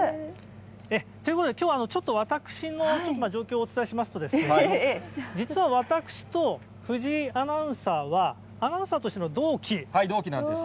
ということできょうはちょっと、私の状況をお伝えしますと、実は私と藤井アナウンサーは、同期なんです。